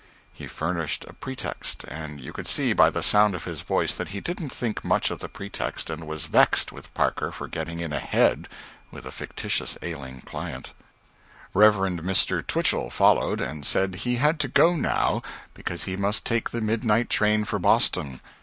He furnished a pretext, and you could see by the sound of his voice that he didn't think much of the pretext, and was vexed with Parker for getting in ahead with a fictitious ailing client. Rev. Mr. Twichell followed, and said he had to go now because he must take the midnight train for Boston.